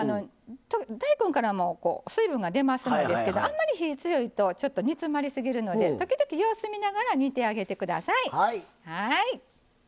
大根からも水分が出ますがあんまり火が強いと煮詰まりすぎるので時々、様子見ながら煮てあげてください。